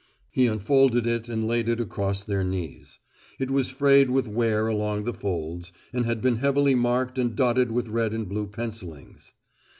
He unfolded it and laid it across their knees; it was frayed with wear along the folds, and had been heavily marked and dotted with red and blue pencillings.